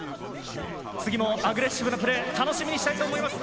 次もアグレッシブなプレーを楽しみにしています。